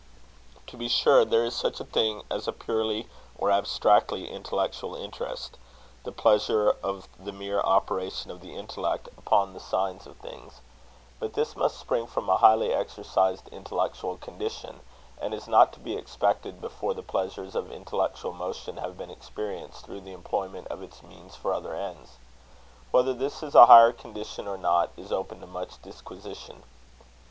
To be sure, there is such a thing as a purely or abstractly intellectual interest the pleasure of the mere operation of the intellect upon the signs of things; but this must spring from a highly exercised intellectual condition, and is not to be expected before the pleasures of intellectual motion have been experienced through the employment of its means for other ends. Whether this is a higher condition or not, is open to much disquisition.